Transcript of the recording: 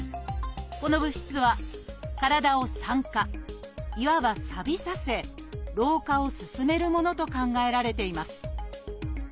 この物質は体を酸化いわばさびさせ老化を進めるものと考えられています。